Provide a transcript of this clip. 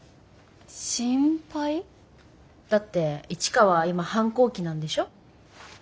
だって市川今反抗期なんでしょ？